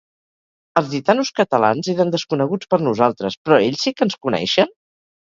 Els gitanos catalans eren desconeguts per nosaltres, però ells sí que ens coneixen?